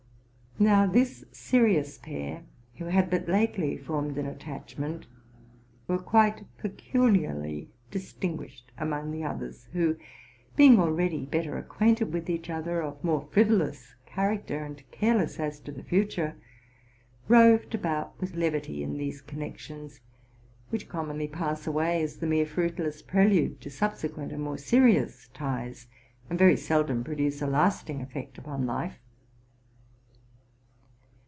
| Now, this serious pair, who had but lately formed an attachment, were quite peculiarly distinguished among the others, who, being already better acquainted with each other, of more frivolous character, and careless as to the future, roved about with levity in these connections, which commonly pass away as the mere fruitless prelude to subsequent and more serious ties, and very seldom produce a lasting effect upon life.